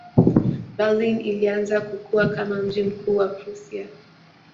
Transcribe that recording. Berlin ilianza kukua kama mji mkuu wa Prussia.